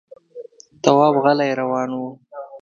تواب غلی روان و.